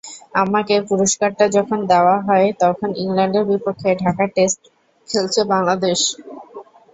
আমাকে পুরস্কারটা যখন দেওয়া হয়, তখন ইংল্যান্ডের বিপক্ষে ঢাকায় টেস্ট খেলছে বাংলাদেশ।